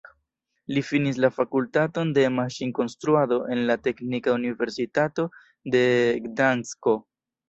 Li finis la Fakultaton de Maŝin-Konstruado en la Teknika Universitato de Gdansko.